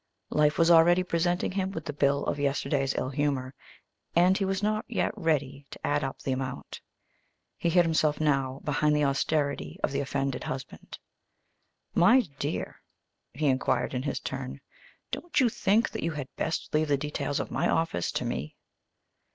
Life was already presenting him with the bill of yesterday's ill humor, and he was not yet ready to add up the amount. He hid himself now behind the austerity of the offended husband. "My dear," he inquired in his turn, "don't you think that you had best leave the details of my office to me?"